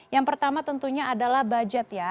yang pertama tentunya adalah budget ya